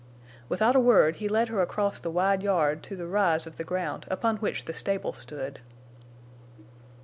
Without a word he led her across the wide yard to the rise of the ground upon which the stable stood.